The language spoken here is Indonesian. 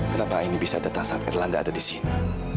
kenapa ini bisa datang saat erlanda ada disini